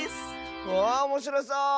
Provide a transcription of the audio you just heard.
ああおもしろそう！